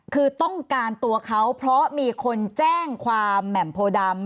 คือต้องการตัวเขาเพราะมีคนแจ้งความแหม่มโพดำ